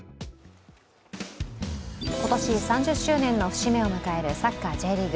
今年、３０周年の節目を迎えるサッカーＪリーグ。